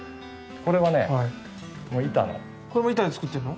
これはね板の。